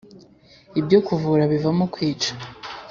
Ibyo kuvura bivamo kwica.